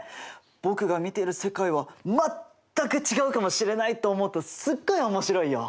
僕が見ている世界は全く違うかもしれないと思うとすっごい面白いよ！